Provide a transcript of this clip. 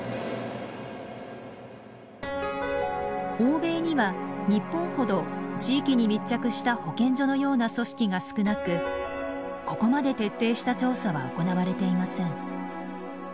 欧米には日本ほど地域に密着した保健所のような組織が少なくここまで徹底した調査は行われていません。